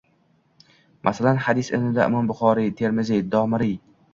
Masalan, hadis ilmida imom Buxoriy, Termiziy, Dorimiy